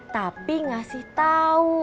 tapi ngasih tau